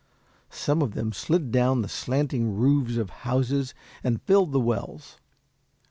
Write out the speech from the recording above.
Some of them slid down the slanting roofs of houses and filled the wells.